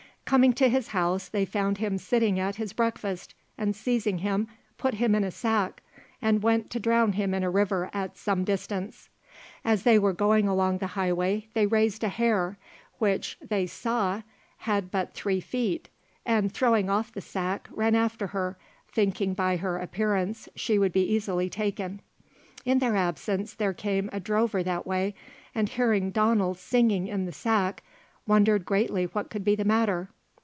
Coming to his house, they found him sitting at his breakfast, and seizing him, put him in a sack, and went to drown him in a river at some distance. As they were going along the highway they raised a hare, which they saw had but three feet, and throwing off the sack, ran after her, thinking by her appearance she would be easily taken. In their absence there came a drover that way, and hearing Donald singing in the sack, wondered greatly what could be the matter.